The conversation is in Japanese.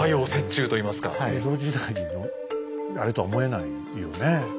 江戸時代のあれとは思えないよね。